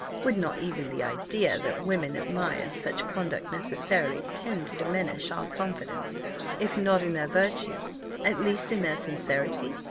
Would not even the idea that women admired such conduct necessarily tend to diminish our confidence, if not in their virtue, at least in their sincerity?